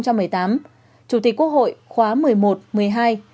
chủ tịch quốc hội khóa một mươi một một mươi hai